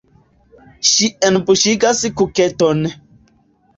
Ŝi enbuŝigas kuketon.